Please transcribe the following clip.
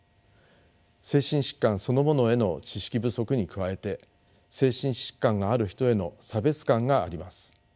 精神疾患そのものへの知識不足に加えて精神疾患がある人への差別感があります。